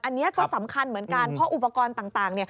อันนี้ก็สำคัญเหมือนกันเพราะอุปกรณ์ต่าง